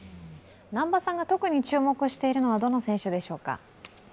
南波さんが特に注目しているのはどの選手でしょうか？